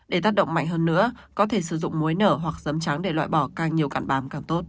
để tác động mạnh hơn nữa có thể sử dụng muối nở hoặc dấm trắng để loại bỏ càng nhiều càng bám càng tốt